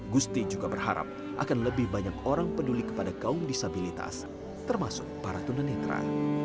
gusti juga berharap akan lebih banyak orang peduli kepada kaum disabilitas termasuk para tunanetra